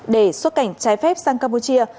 để xuất cảnh trái phép sang campuchia